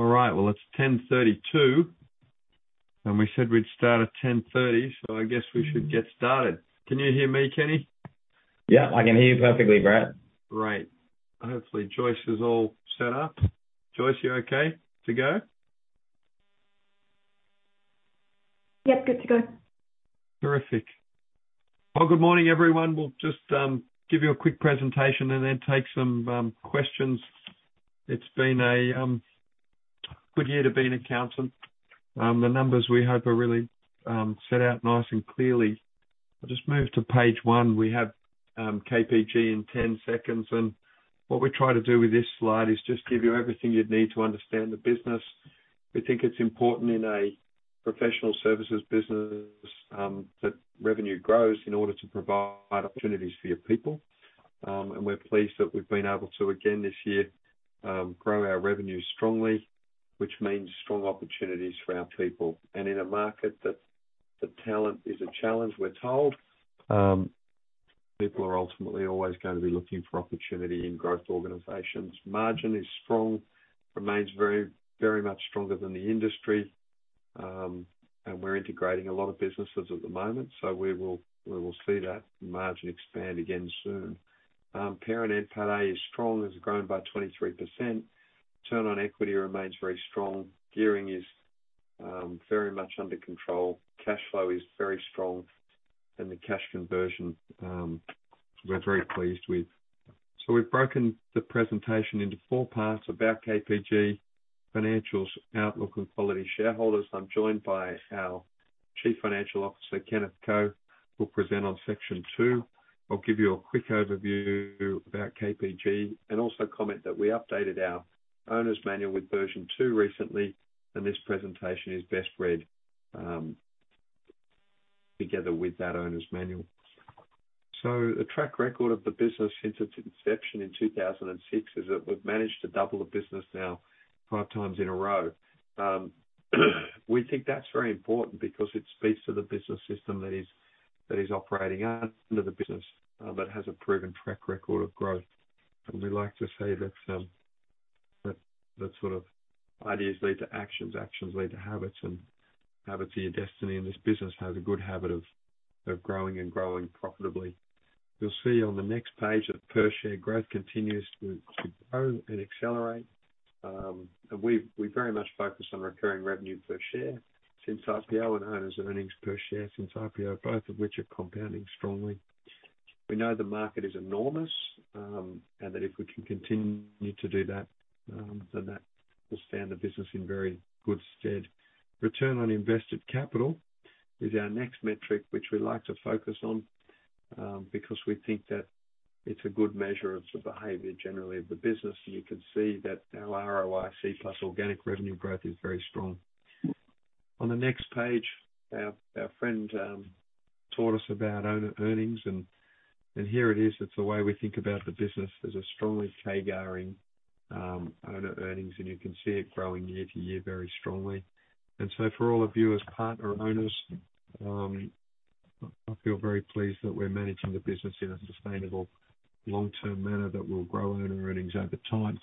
All right, well, it's 10:32, and we said we'd start at 10:30, so I guess we should get started. Can you hear me, Kenny? Yeah, I can hear you perfectly, Brett. Great. Hopefully, Joyce is all set up. Joyce, you're okay to go? Yep, good to go. Terrific. Well, good morning, everyone. We'll just give you a quick presentation and then take some questions. It's been a good year to be an accountant. The numbers we have are really set out nice and clearly. I'll just move to page one. We have KPG in 10 seconds. What we try to do with this slide is just give you everything you'd need to understand the business. We think it's important in a professional services business that revenue grows in order to provide opportunities for your people. We're pleased that we've been able to, again this year, grow our revenue strongly, which means strong opportunities for our people. In a market that the talent is a challenge, we're told, people are ultimately always going to be looking for opportunity in growth organizations. Margin is strong, remains very, very much stronger than the industry. We're integrating a lot of businesses at the moment, so we will see that margin expand again soon. Parent NPAT is strong, has grown by 23%. Return on equity remains very strong. Gearing is very much under control. Cash flow is very strong. The cash conversion, we're very pleased with. We've broken the presentation into four parts. About KPG, Financials, Outlook, and Quality Shareholders. I'm joined by our Chief Financial Officer, Kenneth Ko, who'll present on section two. I'll give you a quick overview about KPG and also comment that we updated our owner's manual with version two recently, and this presentation is best read together with that owner's manual. The track record of the business since its inception in 2006 is that we've managed to double the business now 5x in a row. We think that's very important because it speaks to the business system that is operating under the business that has a proven track record of growth. We like to say that that sort of ideas lead to actions lead to habits, and habits are your destiny. This business has a good habit of growing and growing profitably. You'll see on the next page that per-share growth continues to grow and accelerate. We very much focus on recurring revenue per share since IPO and owners' earnings per share since IPO, both of which are compounding strongly. We know the market is enormous, and that if we can continue to do that, then that will stand the business in very good stead. Return on invested capital is our next metric, which we like to focus on, because we think that it's a good measure of the behavior generally of the business. You can see that our ROIC plus organic revenue growth is very strong. On the next page, our friend taught us about owner earnings, and here it is. It's the way we think about the business. There's a strongly CAGR-ing owner earnings, and you can see it growing year-to-year very strongly. For all of you as partner owners, I feel very pleased that we're managing the business in a sustainable long-term manner that will grow owner earnings over time.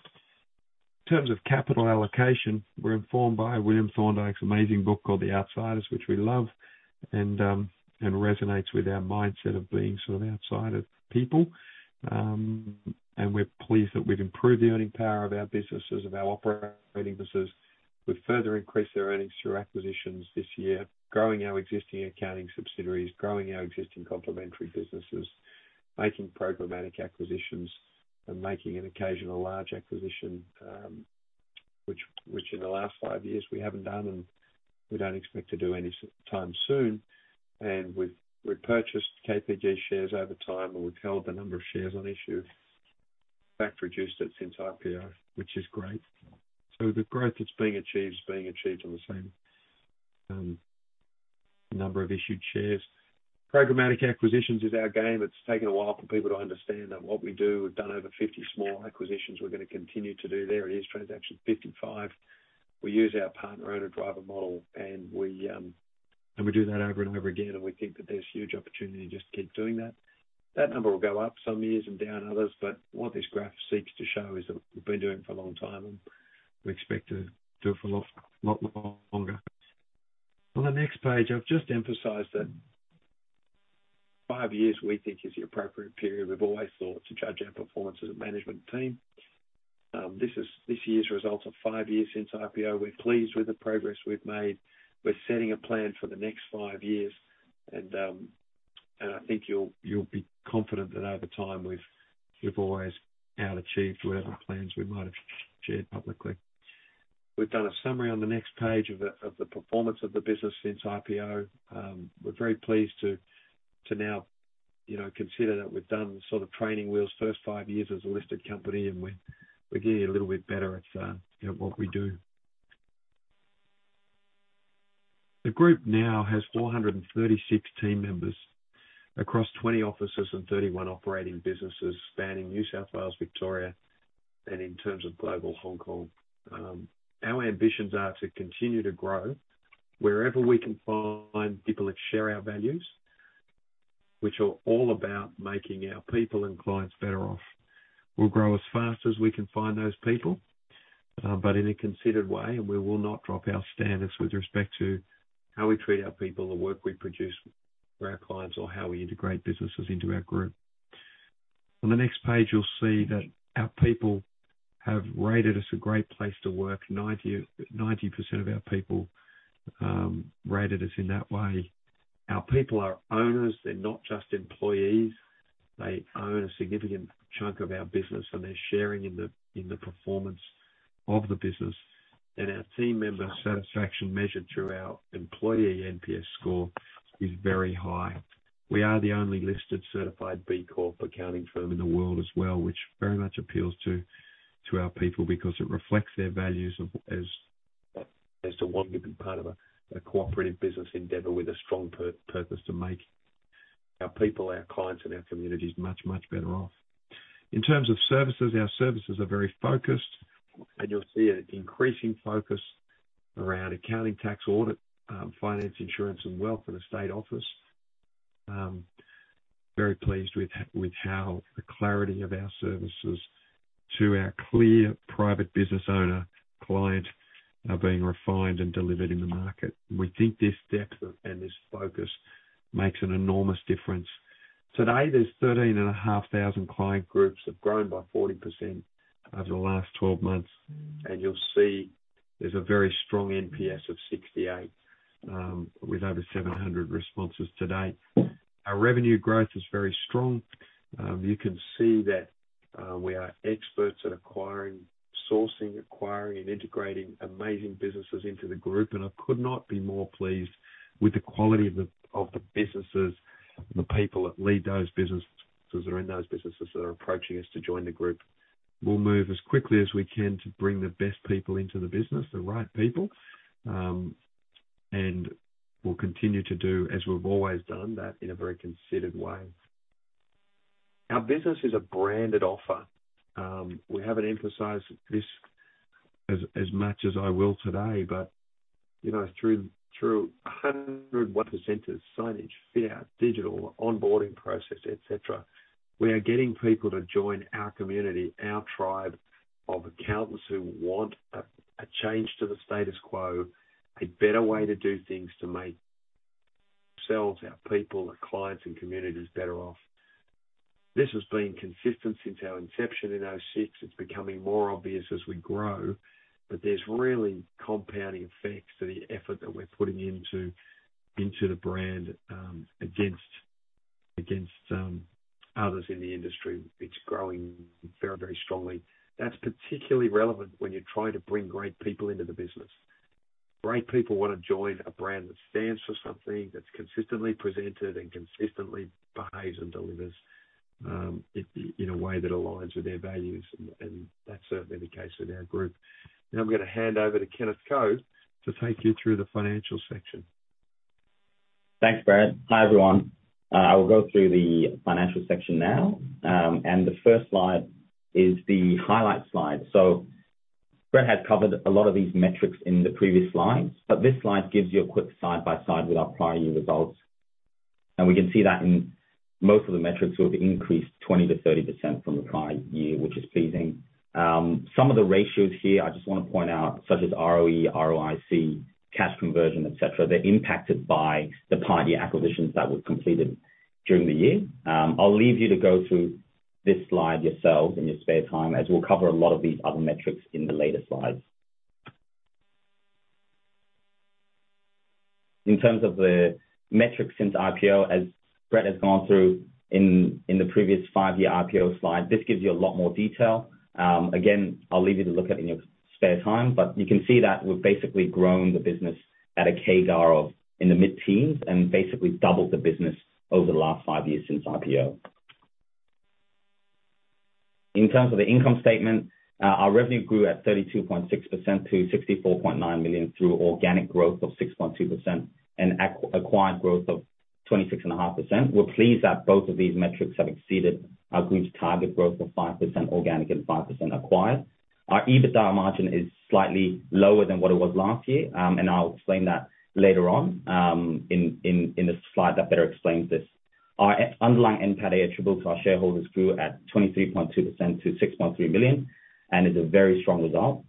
In terms of capital allocation, we're informed by William Thorndike's amazing book called The Outsiders, which we love and resonates with our mindset of being sort of outside of people. We're pleased that we've improved the earning power of our businesses, of our operating business. We've further increased our earnings through acquisitions this year, growing our existing accounting subsidiaries, growing our existing complementary businesses, making programmatic acquisitions and making an occasional large acquisition, which in the last five years we haven't done and we don't expect to do any time soon. We've purchased KPG shares over time, and we've held the number of shares on issue. In fact, reduced it since IPO, which is great. The growth that's being achieved is being achieved on the same number of issued shares. Programmatic acquisitions is our game. It's taken a while for people to understand that what we do, we've done over 50 small acquisitions. We're gonna continue to do. There it is, transaction 55. We use our Partner-Owner-Driver model and we do that over and over again, and we think that there's huge opportunity to just keep doing that. That number will go up some years and down others, but what this graph seeks to show is that we've been doing it for a long time and we expect to do it for a lot, a lot longer. On the next page, I've just emphasized that five years, we think, is the appropriate period we've always thought to judge our performance as a management team. This is this year's results of five years since IPO. We're pleased with the progress we've made. We're setting a plan for the next five years. I think you'll be confident that over time we've always out-achieved whatever plans we might have shared publicly. We've done a summary on the next page of the performance of the business since IPO. We're very pleased to now, you know, consider that we've done sort of training wheels first five years as a listed company and we're getting a little bit better at, you know, what we do. The group now has 436 team members across 20 offices and 31 operating businesses spanning New South Wales, Victoria, and in terms of global, Hong Kong. Our ambitions are to continue to grow wherever we can find people that share our values, which are all about making our people and clients better off. We'll grow as fast as we can find those people, but in a considered way, and we will not drop our standards with respect to how we treat our people, the work we produce for our clients, or how we integrate businesses into our group. On the next page, you'll see that our people have rated us a great place to work. 90% of our people rated us in that way. Our people are owners. They're not just employees. They own a significant chunk of our business, and they're sharing in the performance of the business. Our team member satisfaction measured through our Employee NPS score is very high. We are the only listed certified B Corp accounting firm in the world as well, which very much appeals to our people because it reflects their values as to wanting to be part of a cooperative business endeavor with a strong purpose to make our people, our clients, and our communities much better off. In terms of services, our services are very focused, and you'll see an increasing focus around accounting, tax, audit, finance, insurance, and wealth in estate office. Very pleased with how the clarity of our services to our clear private business owner clients are being refined and delivered in the market. We think this depth and this focus makes an enormous difference. Today, there's 13,500 client groups that have grown by 40% over the last 12 months. You'll see there's a very strong NPS of 68, with over 700 responses to date. Our revenue growth is very strong. You can see that, we are experts at acquiring, sourcing, and integrating amazing businesses into the group. I could not be more pleased with the quality of the businesses and the people that lead those businesses or are in those businesses that are approaching us to join the group. We'll move as quickly as we can to bring the best people into the business, the right people. We'll continue to do as we've always done that in a very considered way. Our business is a branded offer. We haven't emphasized this as much as I will today, but you know, through 101 percenters signage, fit-out, digital onboarding process, etc, we are getting people to join our community, our tribe of accountants who want a change to the status quo, a better way to do things to make ourselves, our people, our clients and communities better off. This has been consistent since our inception in 2006. It's becoming more obvious as we grow, but there's really compounding effects to the effort that we're putting into the brand against others in the industry. It's growing very, very strongly. That's particularly relevant when you're trying to bring great people into the business. Great people wanna join a brand that stands for something, that's consistently presented and consistently behaves and delivers, you know, in a way that aligns with their values. That's certainly the case with our group. Now I'm gonna hand over to Kenneth Ko to take you through the financial section. Thanks, Brett. Hi, everyone. I will go through the financial section now. The first slide is the highlight slide. Brett has covered a lot of these metrics in the previous slides, but this slide gives you a quick side-by-side with our prior year results. We can see that in most of the metrics, we've increased 20%-30% from the prior year, which is pleasing. Some of the ratios here, I just wanna point out, such as ROE, ROIC, cash conversion, etc. They're impacted by the prior year acquisitions that were completed during the year. I'll leave you to go through this slide yourselves in your spare time, as we'll cover a lot of these other metrics in the later slides. In terms of the metrics since IPO, as Brett has gone through in the previous five-year IPO slide, this gives you a lot more detail. Again, I'll leave you to look at in your spare time, but you can see that we've basically grown the business at a CAGR of in the mid-teens and basically doubled the business over the last five years since IPO. In terms of the income statement, our revenue grew at 32.6% to 64.9 million through organic growth of 6.2% and acquired growth of 26.5%. We're pleased that both of these metrics have exceeded our group's target growth of 5% organic and 5% acquired. Our EBITDA margin is slightly lower than what it was last year, and I'll explain that later on in the slide that better explains this. Our underlying NPATA attributable to our shareholders grew at 23.2% to 6.3 million and is a very strong result.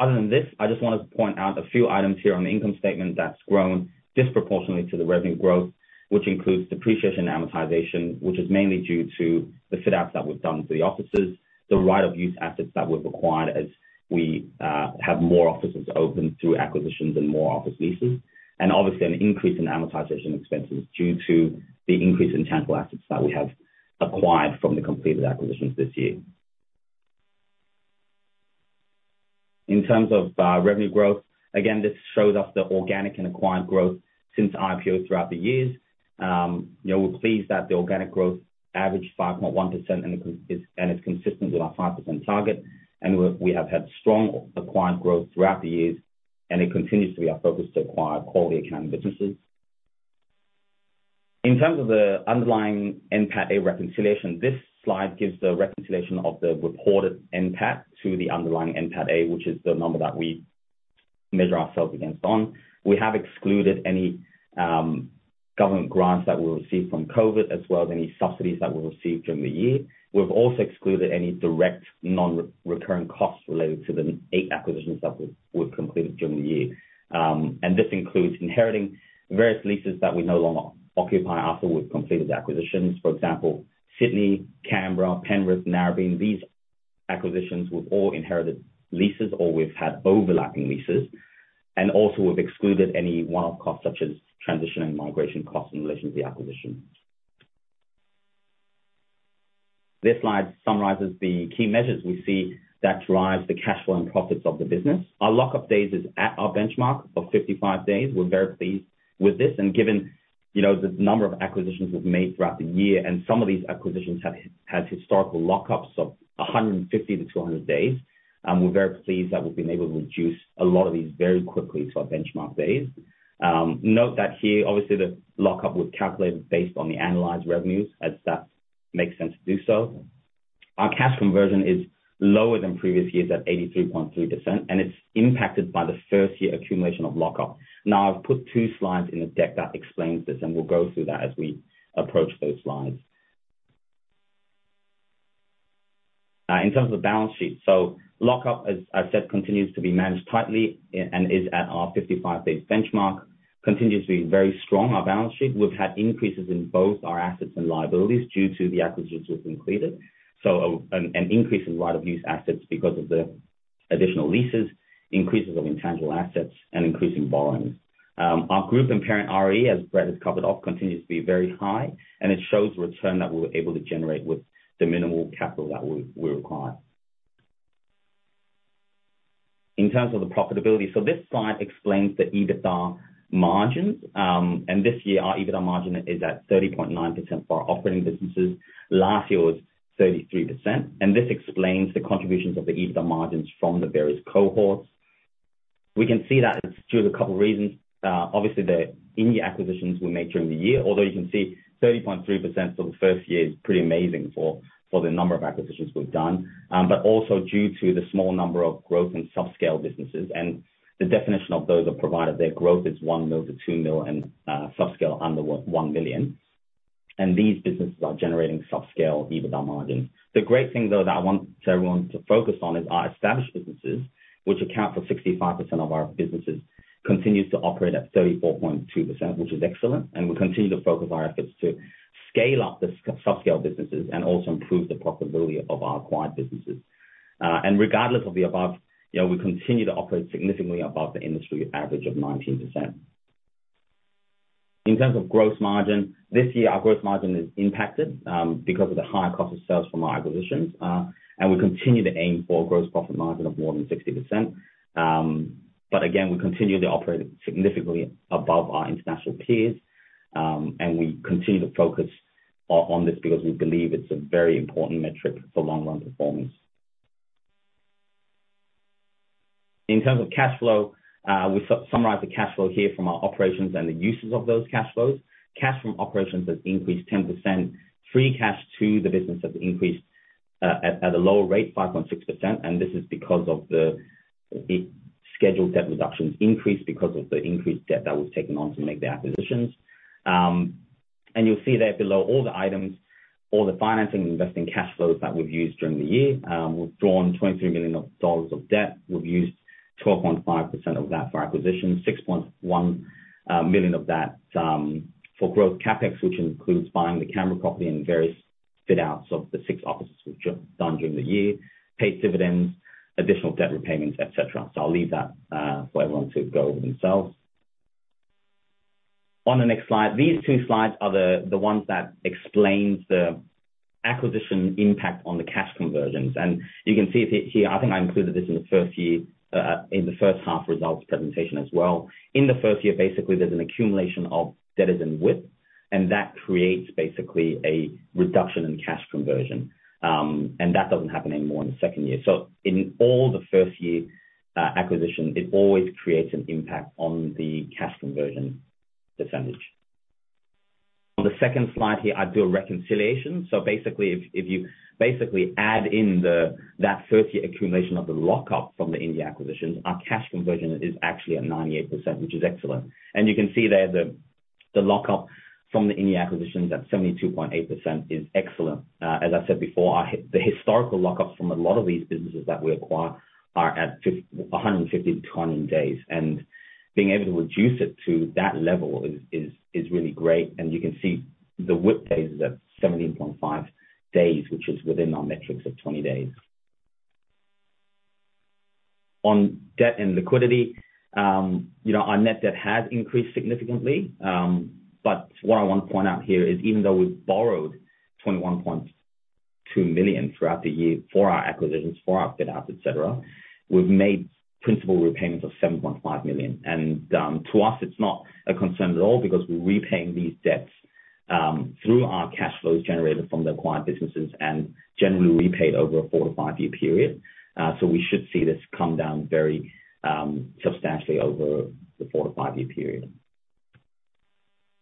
Other than this, I just wanted to point out a few items here on the income statement that's grown disproportionately to the revenue growth, which includes depreciation and amortization, which is mainly due to the fit-outs that we've done for the offices, the right-of-use assets that we've acquired as we have more offices open through acquisitions and more office leases. Obviously, an increase in amortization expenses due to the increase in intangible assets that we have acquired from the completed acquisitions this year. In terms of revenue growth, again, this shows us the organic and acquired growth since IPO throughout the years. You know, we're pleased that the organic growth averaged 5.1%, and it's consistent with our 5% target. We have had strong acquired growth throughout the years, and it continues to be our focus to acquire quality accounting businesses. In terms of the underlying NPATA reconciliation, this slide gives the reconciliation of the reported NPAT to the underlying NPATA, which is the number that we measure ourselves against. We have excluded any government grants that we received from COVID, as well as any subsidies that we received during the year. We've also excluded any direct non-recurring costs related to the eight acquisitions that we completed during the year. This includes inheriting various leases that we no longer occupy after we've completed the acquisitions. For example, Sydney, Canberra, Penrith, Narrabeen, these acquisitions we've all inherited leases or we've had overlapping leases. Also, we've excluded any one-off costs such as transition and migration costs in relation to the acquisition. This slide summarizes the key measures we see that drive the cash flow and profits of the business. Our lock-up days is at our benchmark of 55 days. We're very pleased with this. Given, you know, the number of acquisitions we've made throughout the year, and some of these acquisitions have historical lock-ups of 150-200 days, we're very pleased that we've been able to reduce a lot of these very quickly to our benchmark days. Note that here, obviously, the lock-up was calculated based on the analyzed revenues, as that makes sense to do so. Our cash conversion is lower than previous years at 83.3%, and it's impacted by the first year accumulation of lock-up. Now, I've put two slides in the deck that explains this, and we'll go through that as we approach those slides. In terms of the balance sheet, lock-up, as I said, continues to be managed tightly and is at our 55-day benchmark. Continues to be very strong, our balance sheet. We've had increases in both our assets and liabilities due to the acquisitions we've completed. An increase in right-of-use assets because of the additional leases, increases of intangible assets, and increasing borrowing. Our group and parent ROE, as Brett has covered off, continues to be very high, and it shows return that we were able to generate with the minimal capital that we require. In terms of the profitability, this slide explains the EBITDA margins. This year, our EBITDA margin is at 30.9% for our operating businesses. Last year, it was 33%. This explains the contributions of the EBITDA margins from the various cohorts. We can see that it's due to a couple of reasons. Obviously, the in-year acquisitions we made during the year, although you can see 30.3% for the first year is pretty amazing for the number of acquisitions we've done. Also due to the small number of growth and soft scale businesses. The definition of those are provided. Their growth is 1 million-2 million and small scale under 1 million. These businesses are generating small scale EBITDA margins. The great thing, though, that I want everyone to focus on is our established businesses, which account for 65% of our businesses, continues to operate at 34.2%, which is excellent. We continue to focus our efforts to scale up the small scale businesses and also improve the profitability of our acquired businesses. Regardless of the above, you know, we continue to operate significantly above the industry average of 19%. In terms of gross margin, this year, our gross margin is impacted because of the higher cost of sales from our acquisitions. We continue to aim for a gross profit margin of more than 60%. Again, we continue to operate significantly above our international peers, and we continue to focus on this because we believe it's a very important metric for long run performance. In terms of cash flow, we summarize the cash flow here from our operations and the uses of those cash flows. Cash from operations has increased 10%. Free cash to the business has increased at a lower rate, 5.6%. This is because of the scheduled debt reductions increase because of the increased debt that was taken on to make the acquisitions. You'll see there below all the items, all the financing and investing cash flows that we've used during the year. We've drawn 23 million dollars of debt. We've used 12.5% of that for acquisitions. 6.1 million of that for growth CapEx, which includes buying the Cammeray property and various fit-outs of the six offices we've just done during the year, paid dividends, additional debt repayments, et cetera. I'll leave that for everyone to go over themselves. On the next slide. These two slides are the ones that explain the acquisition impact on the cash conversion. You can see it here. I think I included this in the first year in the first half results presentation as well. In the first year, basically, there's an accumulation of debtors and WIP, and that creates basically a reduction in cash conversion. That doesn't happen anymore in the second year. In all the first year acquisition, it always creates an impact on the cash conversion percentage. On the second slide here, I do a reconciliation. Basically if you basically add in that first year accumulation of the lock-up from the in-year acquisitions, our cash conversion is actually at 98%, which is excellent. You can see there the lock-up from the in-year acquisitions at 72.8% is excellent. As I said before, our historical lock-ups from a lot of these businesses that we acquire are at 150-200 days. Being able to reduce it to that level is really great. You can see the WIP days is at 17.5 days, which is within our metrics of 20 days. On debt and liquidity, you know, our net debt has increased significantly. What I wanna point out here is even though we've borrowed 21.2 million throughout the year for our acquisitions, for our fit-outs, et cetera, we've made principal repayments of 7.5 million. To us, it's not a concern at all because we're repaying these debts through our cash flows generated from the acquired businesses and generally repaid over a four to five-year period. We should see this come down very substantially over the four to five-year period.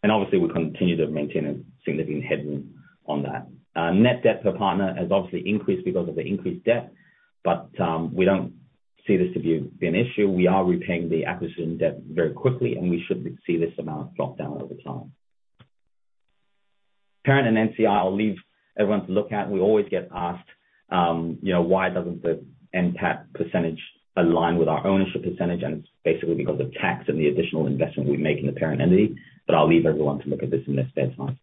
Obviously we continue to maintain a significant headroom on that. Net debt per partner has obviously increased because of the increased debt, but we don't see this to be an issue. We are repaying the acquisition debt very quickly, and we should see this amount drop down over time. Parent and NCI, I'll leave everyone to look at. We always get asked why doesn't the NPAT percentage align with our ownership percentage? It's basically because of tax and the additional investment we make in the parent entity. I'll leave everyone to look at this in their spare time.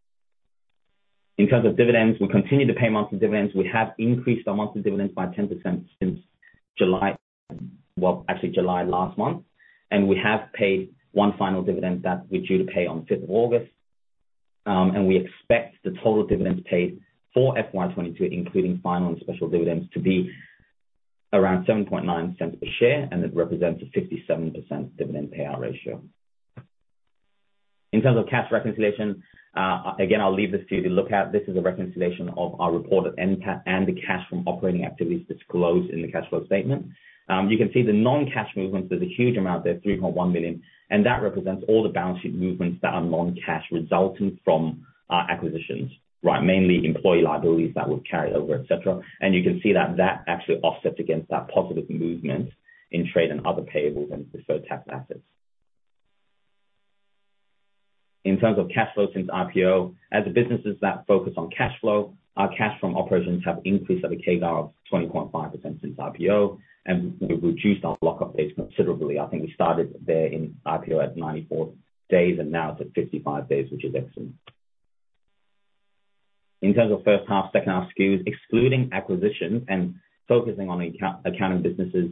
In terms of dividends, we continue to pay monthly dividends. We have increased our monthly dividends by 10% since July. Well, actually July last month. We have paid one final dividend that we're due to pay on the fifth of August. We expect the total dividends paid for FY 2022, including final and special dividends, to be around 0.079 per share, and it represents a 57% dividend payout ratio. In terms of cash reconciliation, again, I'll leave this to you to look at. This is a reconciliation of our reported NPAT and the cash from operating activities disclosed in the cash flow statement. You can see the non-cash movements. There's a huge amount there, 3.1 million, and that represents all the balance sheet movements that are non-cash, resulting from our acquisitions, right. Mainly employee liabilities that would carry over, etc. You can see that that actually offset against that positive movement in trade and other payables and deferred tax assets. In terms of cash flow since IPO, as the businesses that focus on cash flow, our cash from operations have increased at a CAGR of 20.5% since IPO, and we've reduced our lock-up dates considerably. I think we started there in IPO at 94 days, and now it's at 55 days, which is excellent. In terms of first half, second half SKUs, excluding acquisitions and focusing on accounting businesses,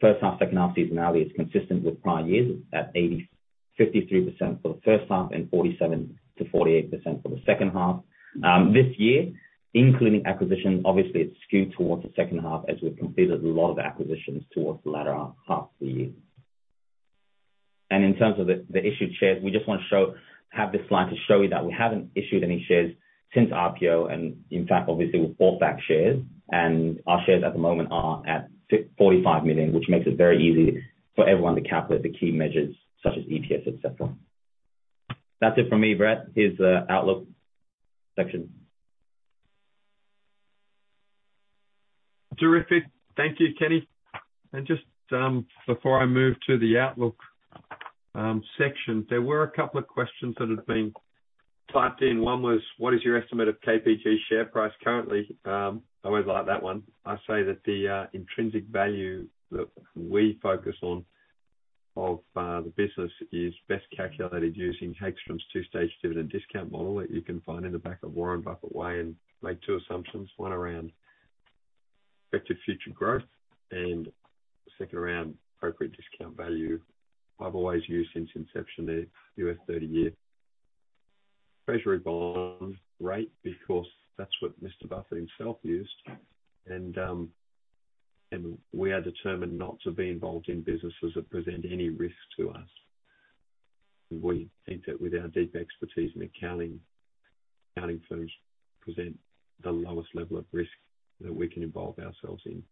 first half, second half seasonality is consistent with prior years. It's at 53% for the first half and 47%-48% for the second half. This year, including acquisitions, obviously it's skewed towards the second half as we've completed a lot of acquisitions towards the latter half of the year. In terms of the issued shares, we just wanna have this slide to show you that we haven't issued any shares since IPO, and in fact, obviously we bought back shares. Our shares at the moment are at 45 million, which makes it very easy for everyone to calculate the key measures such as EPS, etc. That's it from me. Brett, here's the outlook section. Terrific. Thank you, Kenny. Just before I move to the outlook section, there were a couple of questions that have been typed in. One was, what is your estimate of KPG share price currently? I always like that one. I say that the intrinsic value that we focus on of the business is best calculated using Hagstrom's two-stage dividend discount model that you can find in the back of The Warren Buffett Way and make two assumptions, one around expected future growth and the second around appropriate discount value. I've always used since inception, the U.S. thirty-year Treasury bond rate because that's what Mr. Buffett himself used. We are determined not to be involved in businesses that present any risk to us. We think that with our deep expertise in accounting firms present the lowest level of risk that we can involve ourselves in.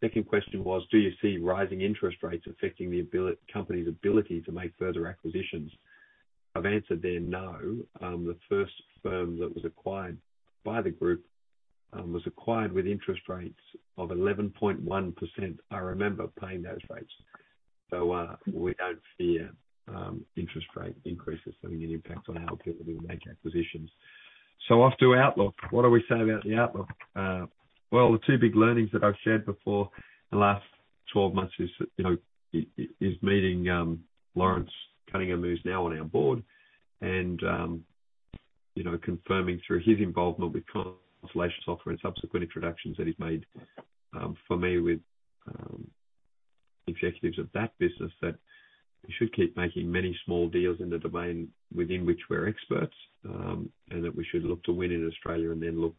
Second question was, "Do you see rising interest rates affecting the company's ability to make further acquisitions?" I've answered there, no. The first firm that was acquired by the group was acquired with interest rates of 11.1%. I remember paying those rates. We don't see interest rate increases having an impact on our ability to make acquisitions. Off to outlook. What do we say about the outlook? The two big learnings that I've shared before the last twelve months is you know meeting Lawrence Cunningham, who's now on our board, and you know confirming through his involvement with translation software and subsequent introductions that he's made for me with executives of that business, that we should keep making many small deals in the domain within which we're experts, and that we should look to win in Australia and then look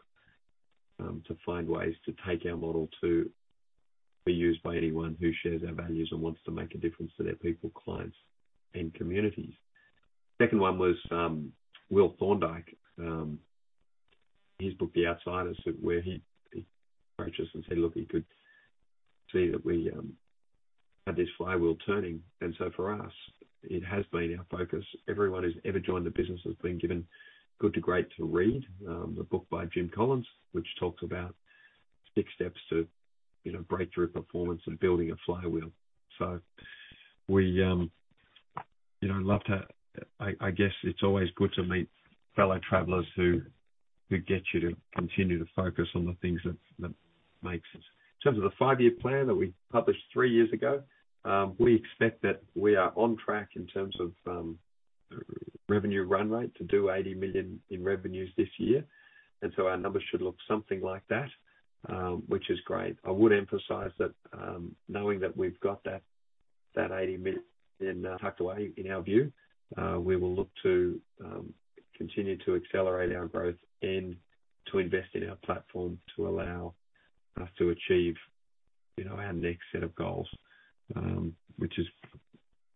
to find ways to take our model to be used by anyone who shares our values and wants to make a difference to their people, clients, and communities. Second one was Will Thorndike his book, The Outsiders, where he approached us and said, look, he could see that we had this flywheel turning. For us, it has been our focus. Everyone who's ever joined the business has been given Good to Great to read, the book by Jim Collins, which talks about six steps to, you know, breakthrough performance and building a flywheel. We, you know, love to—I guess it's always good to meet fellow travelers who get you to continue to focus on the things that makes us. In terms of the five-year plan that we published three years ago, we expect that we are on track in terms of revenue run rate to do 80 million in revenues this year. Our numbers should look something like that, which is great. I would emphasize that knowing that we've got that 80 million tucked away in our view we will look to continue to accelerate our growth and to invest in our platform to allow us to achieve you know our next set of goals which is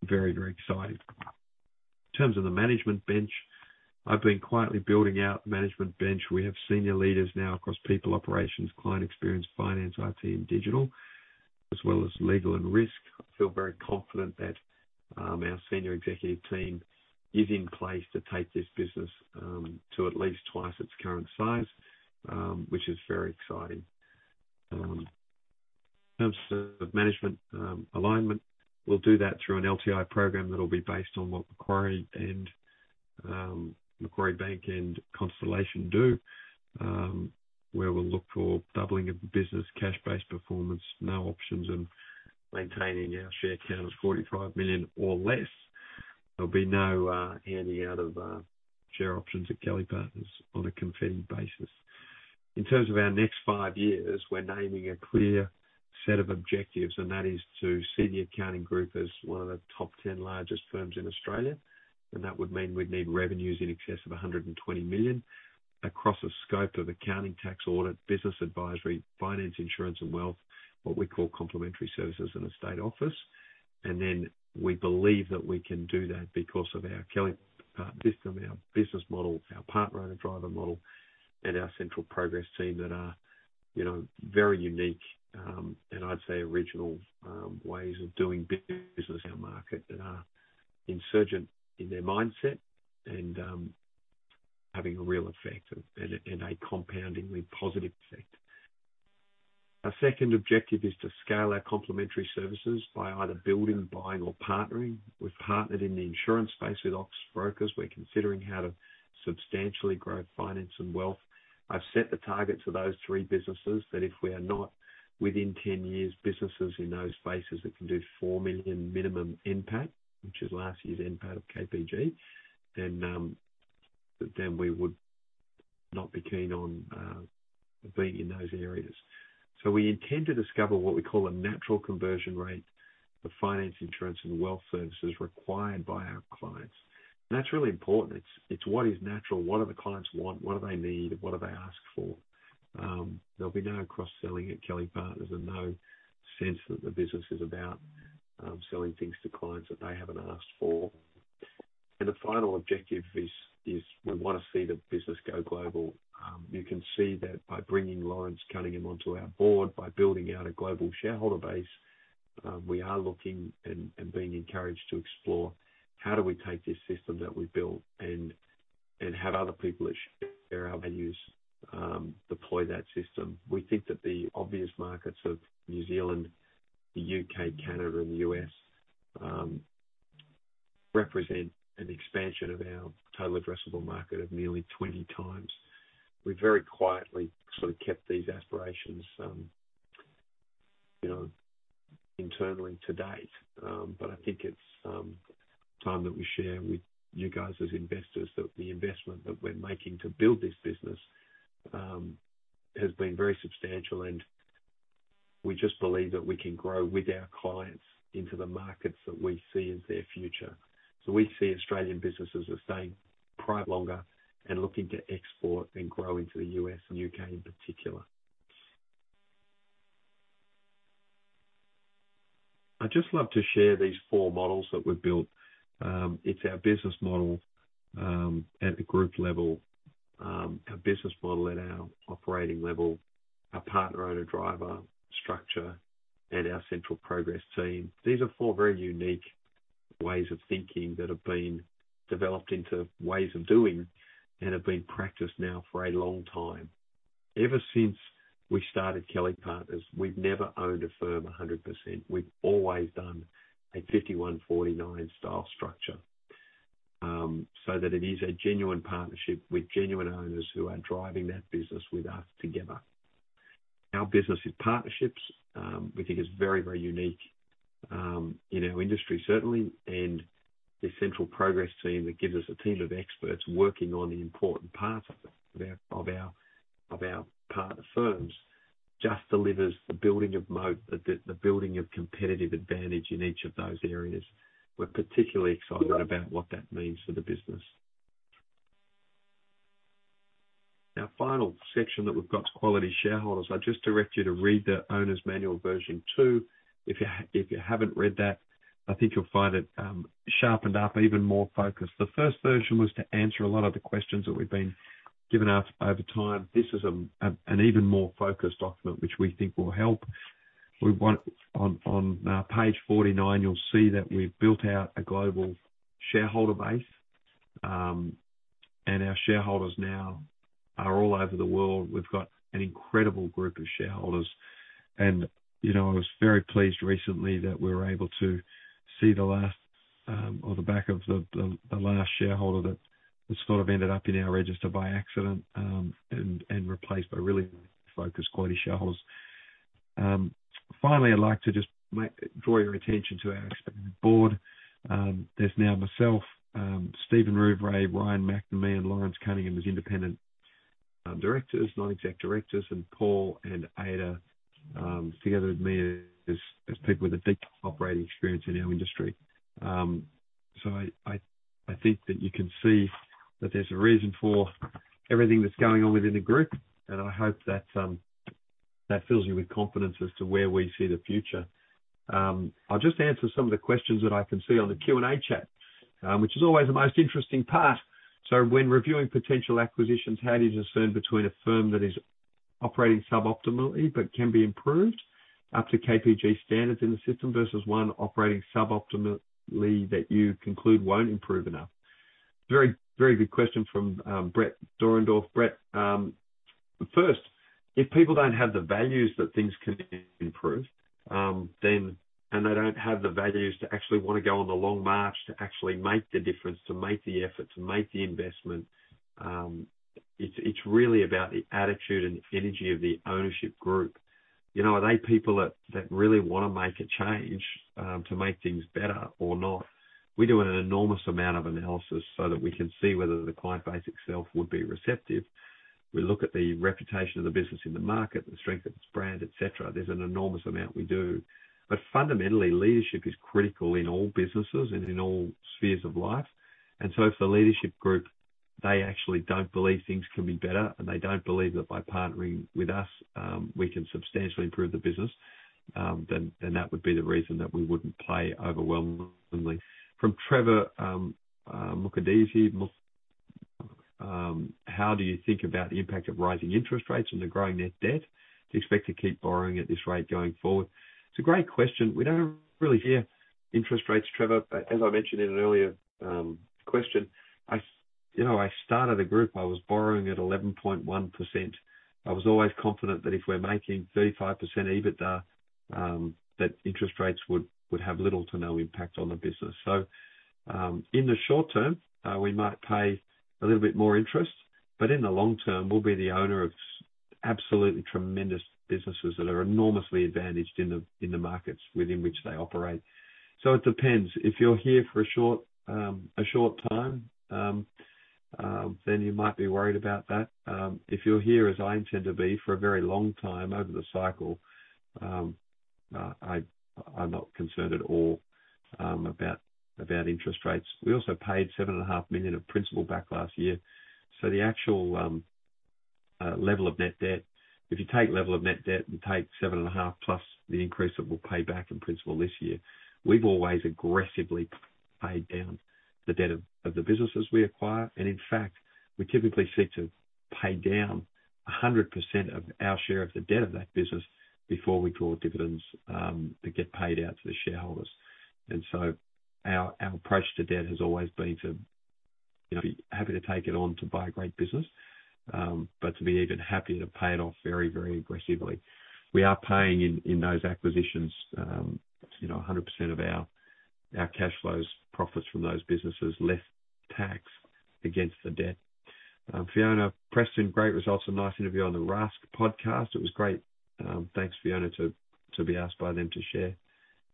very very exciting. In terms of the management bench I've been quietly building out management bench. We have senior leaders now across people operations, client experience, finance, IT, and digital, as well as legal and risk. I feel very confident that our senior executive team is in place to take this business to at least twice its current size which is very exciting. In terms of management alignment, we'll do that through an LTI program that'll be based on what Macquarie and Macquarie Bank and Constellation do, where we'll look for doubling of the business cash-based performance, no options, and maintaining our share count of 45 million or less. There'll be no handing out of share options at Kelly Partners on a confetti basis. In terms of our next five years, we're naming a clear set of objectives, and that is to see the accounting group as one of the top 10 largest firms in Australia, and that would mean we'd need revenues in excess of 120 million across a scope of accounting, tax, audit, business advisory, finance, insurance, and wealth, what we call complementary services in a state office. We believe that we can do that because of our Kelly Partners system, our business model, our Partner-Owner-Driver model, and our central progress team that are, you know, very unique, and I'd say original, ways of doing business in our market that are insurgent in their mindset and, having a real effect and a compounding with positive effect. Our second objective is to scale our complementary services by either building, buying or partnering. We've partnered in the insurance space with Oxley Insurance Brokers. We're considering how to substantially grow finance and wealth. I've set the targets of those three businesses that if we are not within 10 years businesses in those spaces that can do 4 million minimum NPAT, which is last year's NPAT of KPG, then we would not be keen on being in those areas. We intend to discover what we call a natural conversion rate of finance, insurance, and wealth services required by our clients. That's really important. It's what is natural? What do the clients want? What do they need? What do they ask for? There'll be no cross-selling at Kelly Partners and no sense that the business is about selling things to clients that they haven't asked for. The final objective is we wanna see the business go global. You can see that by bringing Lawrence Cunningham onto our board, by building out a global shareholder base, we are looking and being encouraged to explore how do we take this system that we built and have other people that share our values deploy that system. We think that the obvious markets of New Zealand, the U.K., Canada, and the U.S. represent an expansion of our total addressable market of nearly 20x. We very quietly sort of kept these aspirations, you know, internally to date. I think it's time that we share with you guys as investors that the investment that we're making to build this business has been very substantial, and we just believe that we can grow with our clients into the markets that we see in their future. We see Australian businesses are staying private longer and looking to export and grow into the U.S. and U.K. in particular. I'd just love to share these four models that we've built. It's our business model at a group level, our business model at our operating level, our partner-owner driver structure, and our central progress team. These are four very unique ways of thinking that have been developed into ways of doing and have been practiced now for a long time. Ever since we started Kelly Partners, we've never owned a firm 100%. We've always done a 51-49 style structure, so that it is a genuine partnership with genuine owners who are driving that business with us together. Our business is partnerships. We think it's very, very unique in our industry, certainly. The central progress team that gives us a team of experts working on the important parts of our partner firms just delivers the building of moat, the building of competitive advantage in each of those areas. We're particularly excited about what that means for the business. Our final section that we've got is quality shareholders. I just direct you to read the owner's manual version two. If you haven't read that, I think you'll find it sharpened up, even more focused. The first version was to answer a lot of the questions that we've been given out over time. This is an even more focused document which we think will help. We want. On page 49, you'll see that we've built out a global shareholder base, and our shareholders now are all over the world. We've got an incredible group of shareholders. You know, I was very pleased recently that we were able to see the back of the last shareholder that sort of ended up in our register by accident, and replaced by really focused quality shareholders. Finally, I'd like to just draw your attention to our expanded board. There's now myself, Stephen Rouvray, Ryan Macnamee, and Lawrence Cunningham as independent directors, non-exec directors, and Paul and Ada, together with me as people with a deep operating experience in our industry. I think that you can see that there's a reason for everything that's going on within the group, and I hope that that fills you with confidence as to where we see the future. I'll just answer some of the questions that I can see on the Q&A chat, which is always the most interesting part. When reviewing potential acquisitions, how do you discern between a firm that is operating sub-optimally but can be improved up to KPG standards in the system versus one operating sub-optimally that you conclude won't improve enough? Very, very good question from Brett Dorendorf. Brett, first, if people don't have the values that things can improve, and they don't have the values to actually wanna go on the long march to actually make the difference, to make the effort, to make the investment, it's really about the attitude and the energy of the ownership group. You know, are they people that really wanna make a change to make things better or not? We do an enormous amount of analysis so that we can see whether the client base itself would be receptive. We look at the reputation of the business in the market, the strength of its brand, etc. There's an enormous amount we do. Fundamentally, leadership is critical in all businesses and in all spheres of life. If the leadership group, they actually don't believe things can be better and they don't believe that by partnering with us, we can substantially improve the business, then that would be the reason that we wouldn't play overwhelmingly. From Trevor Mukadezi, how do you think about the impact of rising interest rates on the growing net debt to expect to keep borrowing at this rate going forward? It's a great question. We don't really fear interest rates, Trevor. As I mentioned in an earlier question. You know, I started a group, I was borrowing at 11.1%, I was always confident that if we're making 35% EBITDA, that interest rates would have little to no impact on the business. In the short term, we might pay a little bit more interest, but in the long term, we'll be the owner of absolutely tremendous businesses that are enormously advantaged in the markets within which they operate. It depends. If you're here for a short time, then you might be worried about that. If you're here, as I intend to be, for a very long time over the cycle, I'm not concerned at all about interest rates. We also paid 7.5 million of principal back last year. The actual level of net debt, if you take level of net debt and take 7.5+ the increase that we'll pay back in principal this year, we've always aggressively paid down the debt of the businesses we acquire. In fact, we typically seek to pay down 100% of our share of the debt of that business before we draw dividends that get paid out to the shareholders. Our approach to debt has always been to be happy to take it on to buy a great business, but to be even happier to pay it off very, very aggressively. We are paying in those acquisitions, you know, 100% of our cash flows, profits from those businesses, less tax against the debt. Fiona Preston, great results and nice interview on the Rask podcast. It was great. Thanks Fiona to be asked by them to share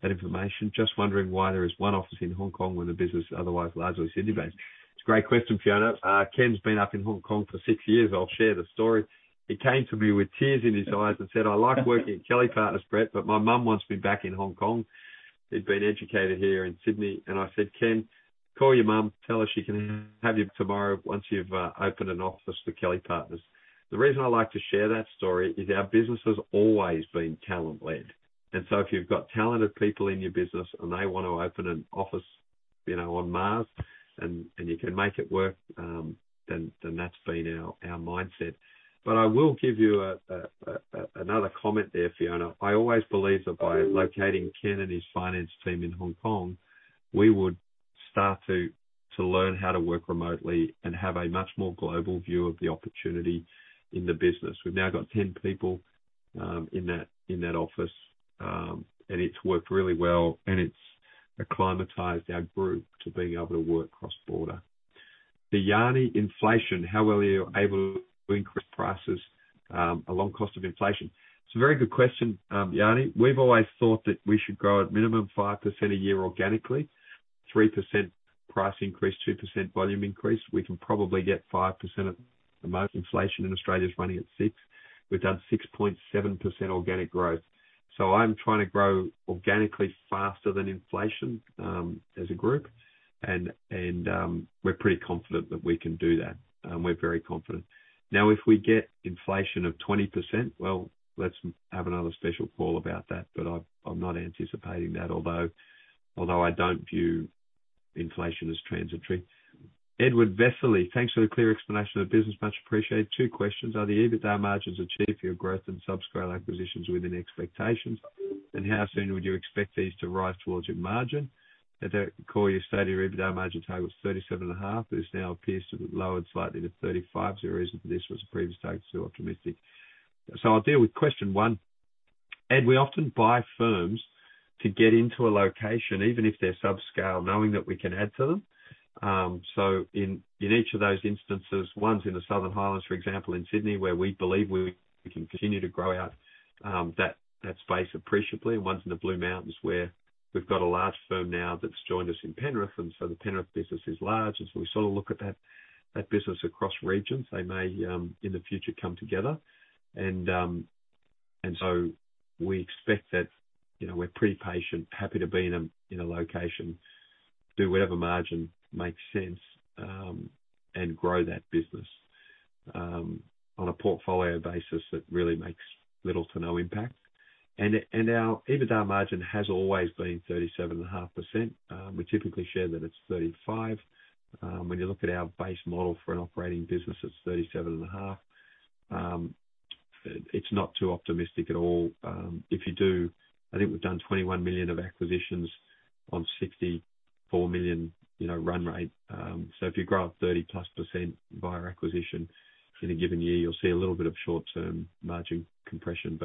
that information. Just wondering why there is one office in Hong Kong when the business otherwise largely Sydney-based. It's a great question, Fiona. Ken's been up in Hong Kong for six years. I'll share the story. He came to me with tears in his eyes and said, "I like working at Kelly Partners, Brett, but my mom wants me back in Hong Kong." He'd been educated here in Sydney. I said, "Ken, call your mom, tell her she can have you tomorrow once you've opened an office for Kelly Partners." The reason I like to share that story is our business has always been talent-led. If you've got talented people in your business and they wanna open an office, you know, on Mars, and you can make it work, then that's been our mindset. I will give you another comment there, Fiona. I always believed that by locating Ken and his finance team in Hong Kong, we would start to learn how to work remotely and have a much more global view of the opportunity in the business. We've now got 10 people in that office, and it's worked really well, and it's acclimatized our group to being able to work cross-border. To Jani, inflation, how well are you able to increase prices along cost of inflation? It's a very good question, Jani. We've always thought that we should grow at minimum 5% a year organically, 3% price increase, 2% volume increase. We can probably get 5% at the most. Inflation in Australia is running at 6%. We've done 6.7% organic growth. I'm trying to grow organically faster than inflation, as a group. And we're pretty confident that we can do that. We're very confident. Now, if we get inflation of 20%, well, let's have another special call about that. I'm not anticipating that, although I don't view inflation as transitory. Edward Vesely, thanks for the clear explanation of the business. Much appreciated. Two questions. Are the EBITDA margins achieved for your growth and subscale acquisitions within expectations? And how soon would you expect these to rise towards your margin? As I recall, you stated your EBITDA margin target was 37.5%, but it now appears to have lowered slightly to 35%. Is there a reason for this? Was the previous target too optimistic? I'll deal with question one. Ed, we often buy firms to get into a location, even if they're subscale, knowing that we can add to them. In each of those instances, one's in the Southern Highlands, for example, in Sydney, where we believe we can continue to grow out that space appreciably. One's in the Blue Mountains, where we've got a large firm now that's joined us in Penrith, and so the Penrith business is large. We sort of look at that business across regions. They may in the future come together. We expect that, you know, we're pretty patient, happy to be in a location, do whatever margin makes sense, and grow that business. On a portfolio basis, it really makes little to no impact. Our EBITDA margin has always been 37.5%. We typically share that it's 35%. When you look at our base model for an operating business, it's 37.5%. It's not too optimistic at all. If you do, I think we've done 21 million of acquisitions on 64 million, you know, run rate. If you grow by 30%+ via acquisition in a given year, you'll see a little bit of short-term margin compression.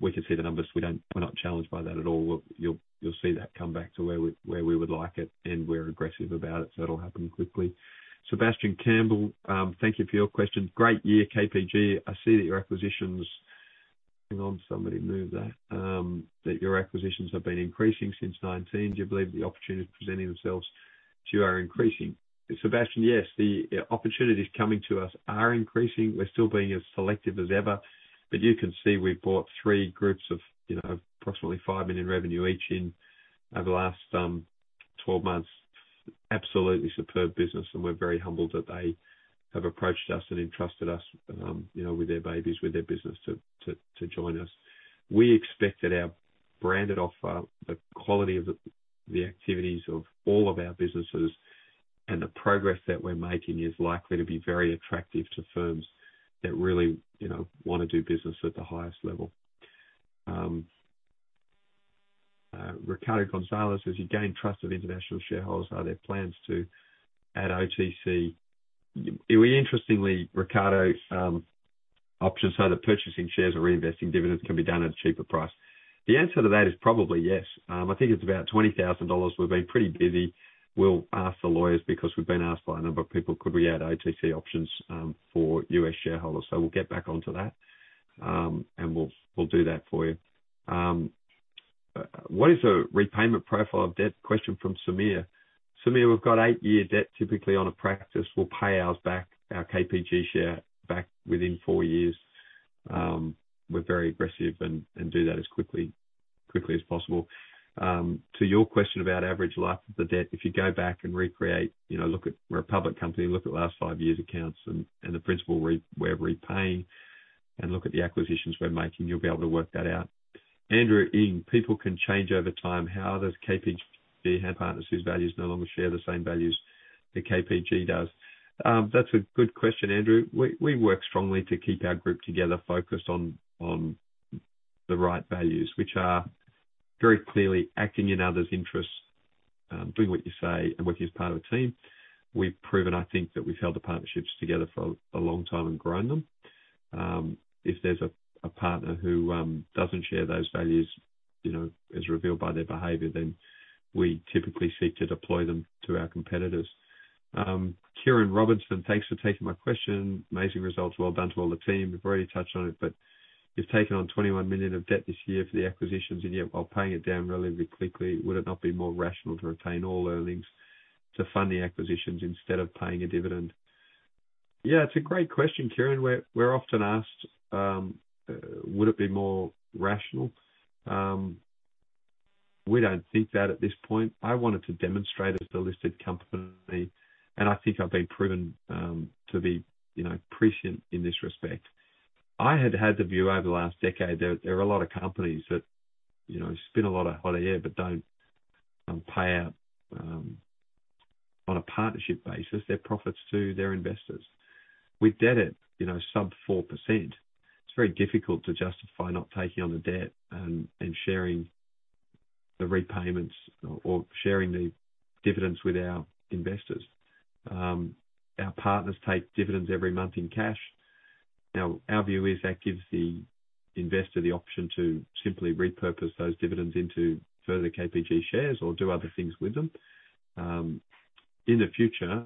We can see the numbers. We're not challenged by that at all. You'll see that come back to where we would like it, and we're aggressive about it, so it'll happen quickly. Sebastian Campbell, thank you for your question. Great year, KPG. I see that your acquisitions have been increasing since 2019. Hang on, somebody move that. That your acquisitions have been increasing since 2019. Do you believe the opportunities presenting themselves to you are increasing? Sebastian, yes. The opportunities coming to us are increasing. We're still being as selective as ever. You can see we've bought three groups of, you know, approximately 5 million revenue each in over the last 12 months. Absolutely superb business, and we're very humbled that they have approached us and entrusted us, you know, with their babies, with their business to join us. We expect that our branded offer, the quality of the activities of all of our businesses and the progress that we're making is likely to be very attractive to firms that really, you know, wanna do business at the highest level. Ricardo Gonzalez. As you gain trust of international shareholders, are there plans to add OTC? Interestingly, Ricardo, options, so the purchasing shares or reinvesting dividends can be done at a cheaper price. The answer to that is probably yes. I think it's about $20,000. We've been pretty busy. We'll ask the lawyers because we've been asked by a number of people, could we add OTC options, for U.S. shareholders? We'll get back onto that, and we'll do that for you. What is the repayment profile of debt? Question from Sameer. Sameer, we've got eight-year debt. Typically on a practice, we'll pay ours back, our KPG share back within four years. We're very aggressive and do that as quickly as possible. To your question about average life of the debt, if you go back and recreate, you know, look at. We're a public company. Look at last five years accounts and the principal we're repaying and look at the acquisitions we're making, you'll be able to work that out. Andrew Ing, people can change over time, how does KPG have partners whose values no longer share the same values that KPG does? That's a good question, Andrew. We work strongly to keep our group together focused on the right values, which are very clearly acting in others' interests, doing what you say and working as part of a team. We've proven, I think, that we've held the partnerships together for a long time and grown them. If there's a partner who doesn't share those values, you know, as revealed by their behavior, then we typically seek to deploy them to our competitors. Kieran Robinson, thanks for taking my question. Amazing results. Well done to all the team. We've already touched on it, but you've taken on 21 million of debt this year for the acquisitions and yet while paying it down relatively quickly, would it not be more rational to retain all earnings to fund the acquisitions instead of paying a dividend? Yeah, it's a great question, Kieran. We're often asked, would it be more rational? We don't think that at this point. I wanted to demonstrate as the listed company, and I think I've been proven, you know, to be prescient in this respect. I had the view over the last decade there are a lot of companies that, you know, spin a lot of hot air but don't pay out on a partnership basis, their profits to their investors. With debt at, you know, sub-4%, it's very difficult to justify not taking on the debt and sharing the repayments or sharing the dividends with our investors. Our partners take dividends every month in cash. Now, our view is that gives the investor the option to simply repurpose those dividends into further KPG shares or do other things with them. In the future,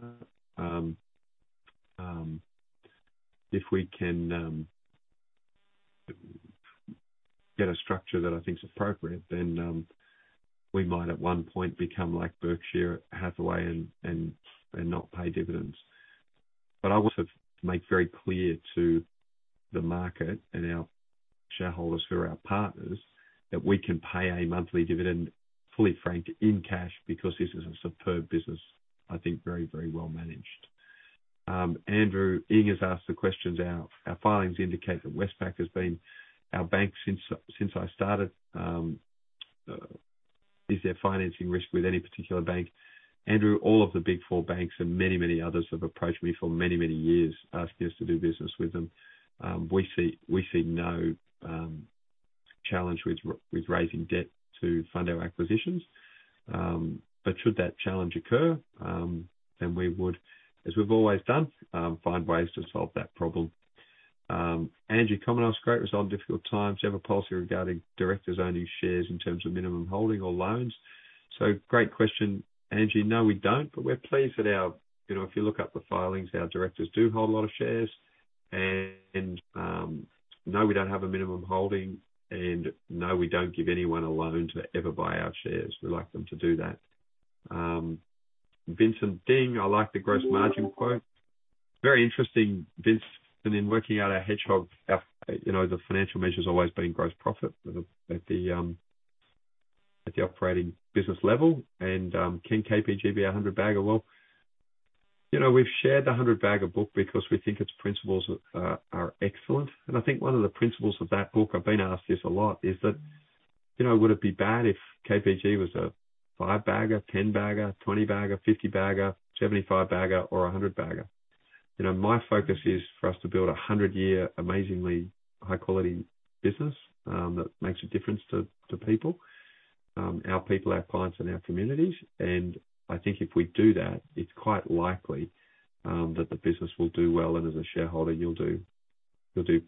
if we can get a structure that I think is appropriate, then we might at one point become like Berkshire Hathaway and not pay dividends. I want to make very clear to the market and our shareholders who are our partners, that we can pay a monthly dividend fully franked in cash because this is a superb business, I think very, very well-managed. Andrew Ing has asked the questions. Our filings indicate that Westpac has been our bank since I started. Is there financing risk with any particular bank? Andrew, all of the Big Four banks and many, many others have approached me for many, many years asking us to do business with them. We see no challenge with raising debt to fund our acquisitions. Should that challenge occur, then we would, as we've always done, find ways to solve that problem. Andrew Cominos. Great result in difficult times. You have a policy regarding directors owning shares in terms of minimum holding or loans? Great question, Andrew. No, we don't, but we're pleased that our, you know, if you look up the filings, our directors do hold a lot of shares and, no, we don't have a minimum holding, and no, we don't give anyone a loan to ever buy our shares. We like them to do that. Vincent Ding. I like the gross margin quote. Very interesting, Vince. In working out our hedgehog, you know, the financial measure's always been gross profit at the operating business level. Can KPG be a 100 bagger? Well, you know, we've shared the 100 Baggers book because we think its principles are excellent. I think one of the principles of that book, I've been asked this a lot, is that, you know, would it be bad if KPG was a five-bagger, 10-bagger, 20-bagger, 50-bagger, 75-bagger, or a 100-bagger? You know, my focus is for us to build a 100-year, amazingly high quality business that makes a difference to people, our people, our clients, and our communities. I think if we do that, it's quite likely that the business will do well, and as a shareholder, you'll do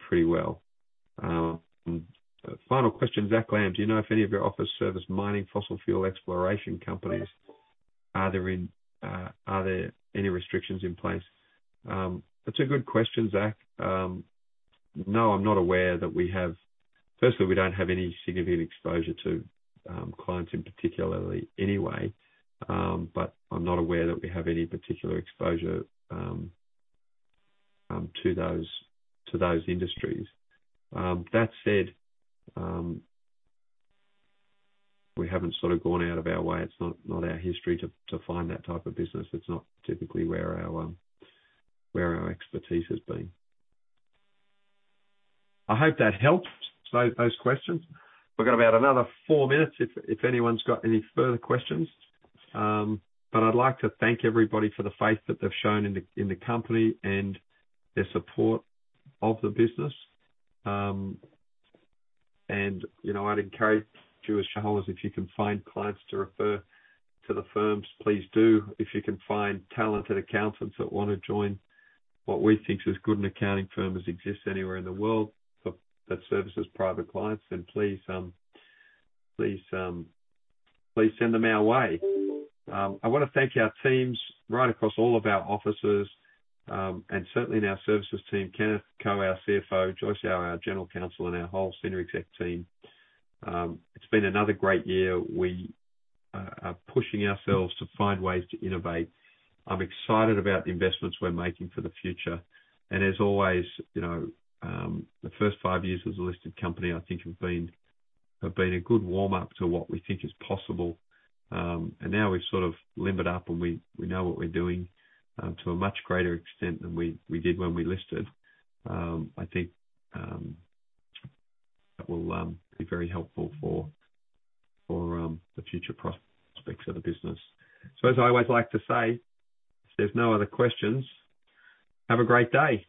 pretty well. Final question, Zach Lamb, do you know if any of your offices servicing mining fossil fuel exploration companies are there any restrictions in place? That's a good question, Zach. No, I'm not aware that we have. Firstly, we don't have any significant exposure to clients in particular anyway. But I'm not aware that we have any particular exposure to those industries. That said, we haven't sort of gone out of our way. It's not our history to find that type of business. It's not typically where our expertise has been. I hope that helped, so those questions. We've got about another four minutes if anyone's got any further questions. I'd like to thank everybody for the faith that they've shown in the company and their support of the business. You know, I'd encourage you as shareholders, if you can find clients to refer to the firms, please do. If you can find talented accountants that wanna join what we think is as good an accounting firm as exists anywhere in the world for that services private clients, then please send them our way. I wanna thank our teams right across all of our offices, and certainly in our services team, Kenneth Ko, our CFO, Joyce Au, our General Counsel, and our whole senior exec team. It's been another great year. We are pushing ourselves to find ways to innovate. I'm excited about the investments we're making for the future. As always, you know, the first five years as a listed company, I think have been a good warm-up to what we think is possible. Now we've sort of limbered up and we know what we're doing to a much greater extent than we did when we listed. I think that will be very helpful for the future prospects of the business. As I always like to say, if there's no other questions, have a great day.